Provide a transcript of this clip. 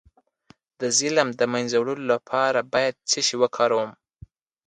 د ظلم د مینځلو لپاره باید څه شی وکاروم؟